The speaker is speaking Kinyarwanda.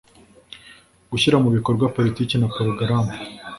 Gushyira mu bikorwa politiki na porogaramu